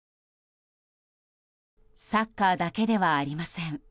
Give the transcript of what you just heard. サッカーだけではありません。